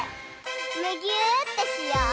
むぎゅーってしよう！